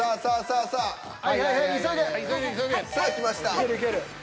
いけるいける。